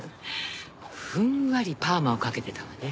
ふんわりパーマをかけてたわね。